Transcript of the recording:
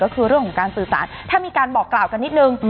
ก็คือเรื่องของการสื่อสารถ้ามีการบอกกล่าวกันนิดนึง